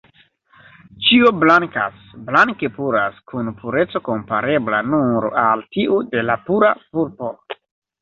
Ĉio blankas, blanke puras, kun pureco komparebla nur al tiu de la pura vulpo.